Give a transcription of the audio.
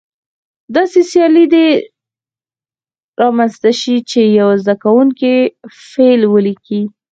داسې سیالي دې رامنځته شي چې یو زده کوونکی فعل ولیکي.